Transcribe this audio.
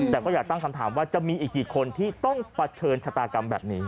แต่ก็อยากตั้งคำถามว่าจะมีอีกกี่คนที่ต้องเผชิญชะตากรรมแบบนี้